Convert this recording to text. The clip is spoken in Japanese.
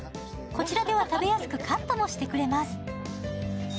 こちらでは食べやすくカットもしてくれます。